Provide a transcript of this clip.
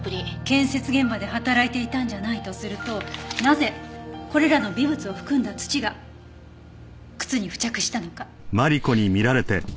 建設現場で働いていたんじゃないとするとなぜこれらの微物を含んだ土が靴に付着したのか？